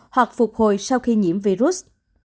hoặc phục hồi sau khi nhiễm virus